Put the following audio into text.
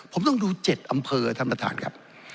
ผมต้องดู๗อำเภอท่านประธานครับ